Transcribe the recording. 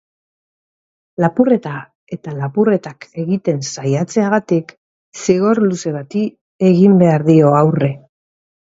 Lapurreta eta lapurretak egiten saiatzeagatik zigor luze bati egin behar dio aurre.